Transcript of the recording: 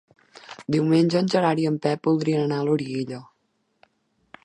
Diumenge en Gerard i en Pep voldrien anar a Loriguilla.